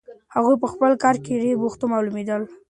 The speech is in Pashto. هغه په خپل کار کې ډېره بوخته معلومېدله.